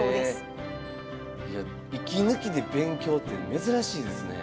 いや息抜きで勉強って珍しいですね。